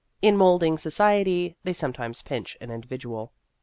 In moulding society, they sometimes pinch an individual.